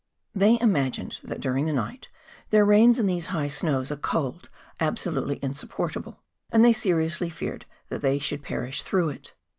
They imagined that during the night there reigns in these high snows a cold absolutely insupportable; and they seriously feared that they should perish through it.